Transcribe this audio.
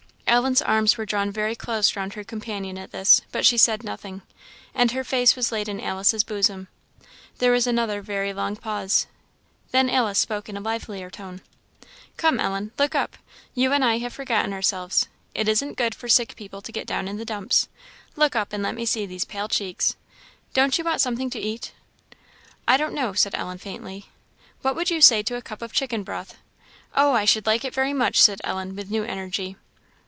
Ellen's arms were drawn very close round her companion at this, but she said nothing, and her face was laid in Alice's bosom. There was another very long pause. Then Alice spoke in a livelier tone. "Come, Ellen! look up! you and I have forgotten ourselves; it isn't good for sick people to get down in the dumps. Look up, and let me see these pale cheeks. Don't you want something to eat?" "I don't know," said Ellen, faintly. "What would you say to a cup of chicken broth?" "Oh, I should like it very much!" said Ellen, with new energy.